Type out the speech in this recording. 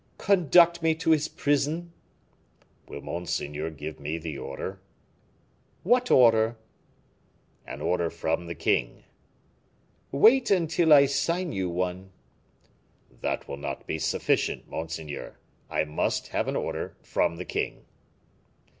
"Conduct me to his prison." "Will monseigneur give me the order?" "What order?" "An order from the king." "Wait until I sign you one." "That will not be sufficient, monseigneur. I must have an order from the king."